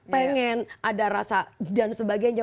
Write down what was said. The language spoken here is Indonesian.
pengen ada rasa dan sebagainya